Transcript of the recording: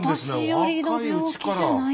若いうちから。